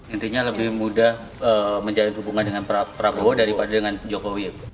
intinya lebih mudah menjalin hubungan dengan prabowo daripada dengan jokowi